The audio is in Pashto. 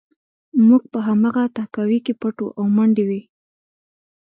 موږ په هماغه تهکوي کې پټ وو او منډې وې